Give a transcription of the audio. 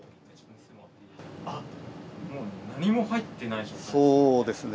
もう何も入ってないですね。